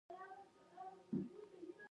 چوپه چوپتيا وه آن چرګان هم نه ښکارېدل.